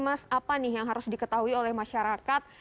mas apa nih yang harus diketahui oleh masyarakat